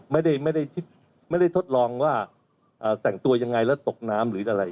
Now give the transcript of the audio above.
ไม่ได้ไม่ได้ทดลองว่าแต่งตัวยังไงแล้วตกน้ำหรืออะไร